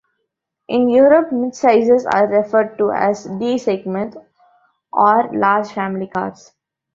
In Europe mid-sizers are referred to as D-segment or large family cars.